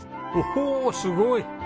おおすごい！